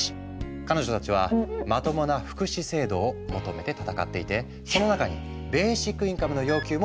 彼女たちはまともな福祉制度を求めて闘っていてその中にベーシックインカムの要求も含まれていたんだ。